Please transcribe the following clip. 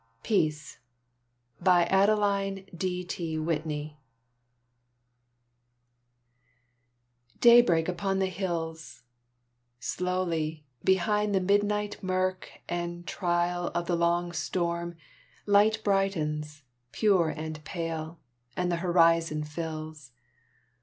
PEACE Daybreak upon the hills! Slowly, behind the midnight murk and trail Of the long storm, light brightens, pure and pale, And the horizon fills.